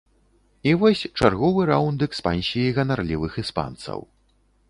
І вось чарговы раунд экспансіі ганарлівых іспанцаў.